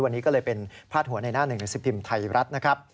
วันนี้ก็เลยเป็นผ้าหัวในหน้า๑๑๕ไทยรัฐ